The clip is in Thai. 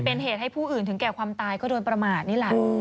เป็นเหตุให้ผู้อื่นถึงแก่ความตายก็โดนประมาทนี่แหละ